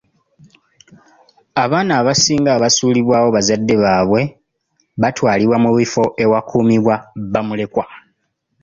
Abaana abasinga basuulibwawo bazadde baabwe batwalibwa mu bifo ewakuumibwa bamulekwa.